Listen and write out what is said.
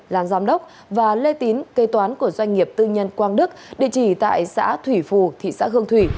làm giám đốc và lê tín kê toán của doanh nghiệp tư nhân quang đức địa chỉ tại xã thủy phù thị xã hương thủy